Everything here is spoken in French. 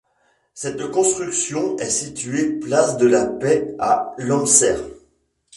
Cette construction est située place de la Paix à Landser.